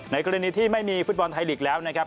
กรณีที่ไม่มีฟุตบอลไทยลีกแล้วนะครับ